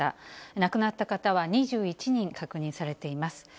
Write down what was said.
亡くなった方は２１人確認されています。